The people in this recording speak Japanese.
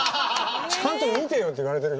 ちゃんと見てよって言われてるから。